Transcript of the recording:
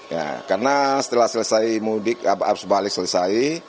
ya karena setelah selesai mudik harus balik selesai